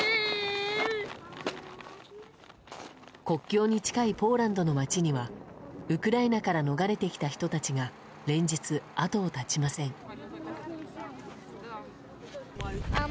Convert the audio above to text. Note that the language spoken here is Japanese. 国境に近いポーランドの街にはウクライナから逃れてきた人たちが連日、後を絶ちません。